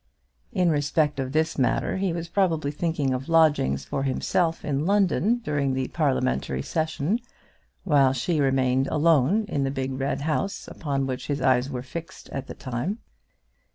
In respect of this matter he was probably thinking of lodgings for himself in London during the parliamentary session, while she remained alone in the big red house upon which his eyes were fixed at the time.